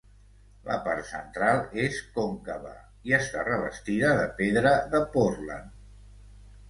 La part central és còncava i està revestida de pedra de Portland.